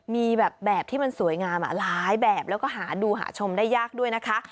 มีแบบที่มันสวยงามหลายแบบแล้วก็หาดูหาชมได้ยากด้วยนะคะ